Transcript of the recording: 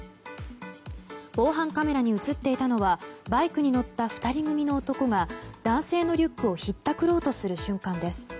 防犯カメラに映っていたのはバイクに乗った２人組の男が男性のリュックをひったくろうとする瞬間です。